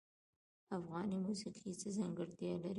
افغاني موسیقی څه ځانګړتیا لري؟